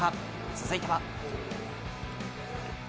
続いては。